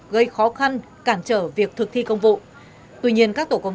gây khó khăn cản trở việc thực thi công vụ